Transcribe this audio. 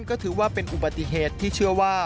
ก็ถือว่าเป็นอุบัติเหตุที่เชื่อว่า